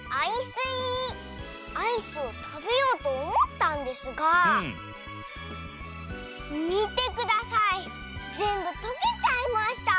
スイアイスをたべようとおもったんですがみてくださいぜんぶとけちゃいました。